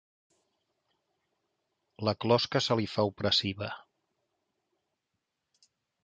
La closca se li fa opressiva.